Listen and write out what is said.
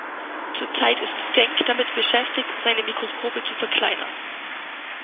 Zurzeit ist Denk damit beschäftigt, seine Mikroskope zu verkleinern.